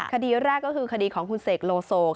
คดีแรกก็คือคดีของคุณเสกโลโซ